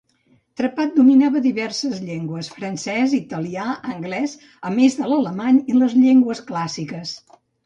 Trepat dominava diverses llengües: francès, italià, anglès, a més de l'alemany i les llengües clàssiques.